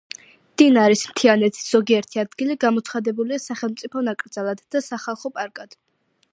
დინარის მთიანეთის ზოგიერთი ადგილი გამოცხადებულია სახელმწიფო ნაკრძალად და სახალხო პარკად.